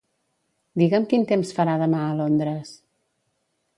Digue'm quin temps farà demà a Londres.